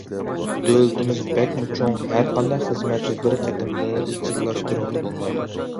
دۆلىتىمىز بەكمۇ چوڭ، ھەر قانداق خىزمەتنى بىر قېتىمدىلا ئىزچىللاشتۇرغىلى بولمايدۇ.